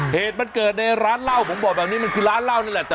เหตุมันเกิดในร้านเหล้าผมบอกแบบนี้มันคือร้านเหล้านั่นแหละ